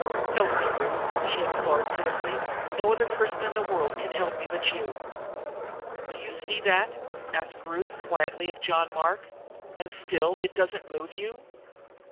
"Help me, Ruth," she implored pitifully. "No other person in the world can help me but you!" "Do you see that," asked Ruth quietly of John Mark, "and still it doesn't move you?"